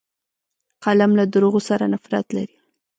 قلم له دروغو سره نفرت لري